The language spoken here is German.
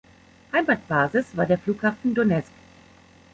Heimatbasis war der Flughafen Donezk.